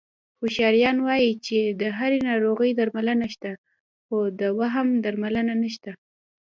هوښیاران وایي چې د هرې ناروغۍ درملنه شته، خو د وهم درملنه نشته...